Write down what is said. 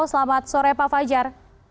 selamat sore pak fajar